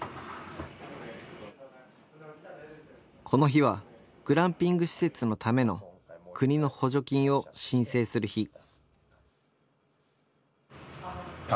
この日はグランピング施設のための国の補助金を申請する日。